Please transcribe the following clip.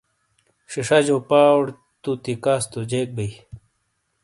شیشاجو پاؤر تو تِیکاس تو جیک بئیی۔